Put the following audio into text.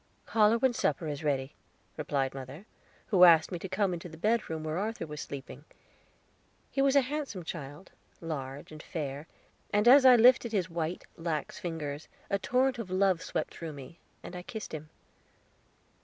"Call her when supper is ready," replied mother, who asked me to come into the bedroom where Arthur was sleeping. He was a handsome child, large and fair, and as I lifted his white, lax fingers, a torrent of love swept through me, and I kissed him.